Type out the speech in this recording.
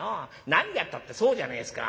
何がったってそうじゃねえですか。